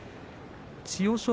千代翔